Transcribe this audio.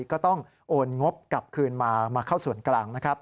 ก็ต้องโอนงบกลับคืนมาเข้าส่วนกลาง